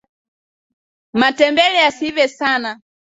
matembele yasiive sana